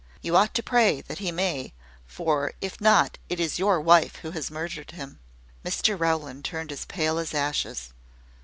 You ought to pray that he may; for if not, it is your wife who has murdered him." Mr Rowland turned as pale as ashes.